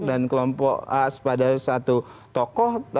dan kelompok pada satu tokoh berutama